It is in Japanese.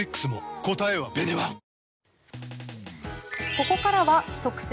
ここからは、特選！！